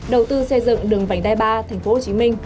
đầu tư xây dựng đường vành đai ba tp hcm